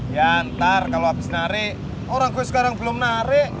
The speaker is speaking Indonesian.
ya ntar kalo abis nari orang gue sekarang belum nari